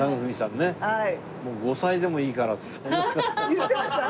言ってました？